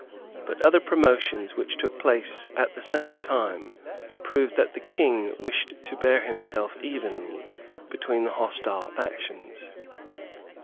But other promotions which took place at the same time proved that the King wished to bear himself evenly between the hostile factions.